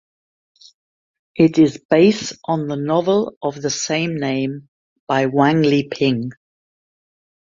It is base on the novel of the same name by Wang Liping.